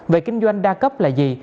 về kinh doanh đa cấp là gì